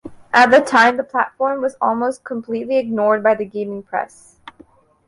At the time, the platform was almost completely ignored by the gaming press.